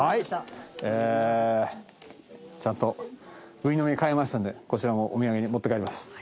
えーちゃんとぐい呑買えましたのでこちらもお土産に持って帰ります。